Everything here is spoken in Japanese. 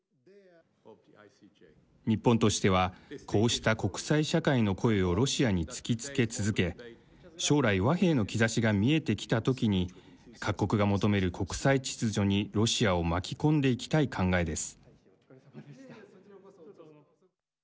日本としてはこうした国際社会の声をロシアに突きつけ続け将来和平の兆しが見えてきた時に各国が求める国際秩序にロシアを巻き込んでいきたい考えです。